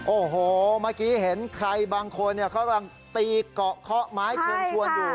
โอ้โหเมื่อกี้เห็นใครบางคนเขากำลังตีเกาะเคาะไม้ควนอยู่